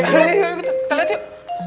kita lihat yuk